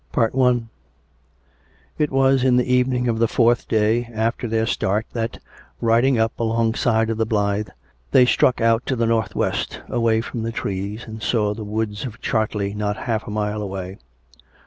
CHAPTER III It was in the evening of the fourth day after their start that^ riding up alongside of the Blythe, they struck out to the northwest, away from the trees, and saw the woods of Chartley not half a mile away.